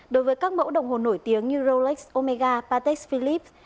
đối với các mẫu đồng hồ nổi tiếng như rolex omega patek philippe